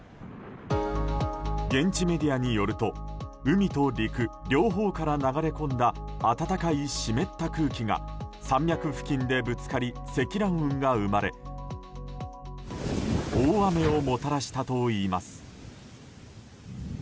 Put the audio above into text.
現地メディアによると海と陸両方から流れ込んだ暖かい湿った空気が山脈付近でぶつかり積乱雲が生まれ大雨をもたらしたといいます。